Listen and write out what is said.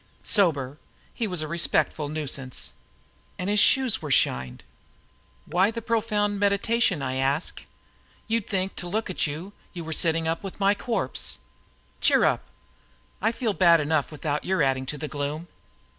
Sober, he was a respectable nuisance. And his shoes were shined! "Why the profound meditation?" I asked. "You'd think, to look at you, you were sitting up with my corpse. Cheer up! I feel bad enough without your adding to the gloom."